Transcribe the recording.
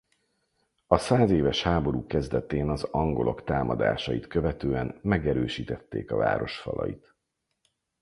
A százéves háború kezdetén az angolok támadásait követően megerősítették a város falait.